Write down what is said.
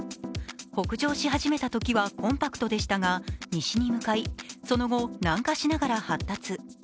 北上し始めたときはコンパクトでしたが西に向かい、その後、南下しながら発達。